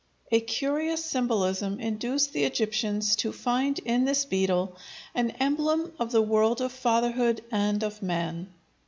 A curious symbolism induced the Egyptians to find in this beetle an emblem of the world of fatherhood and of man.